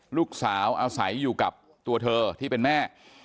ลูกสาวอาศัยอยู่กับตัวเธอที่เป็นแม่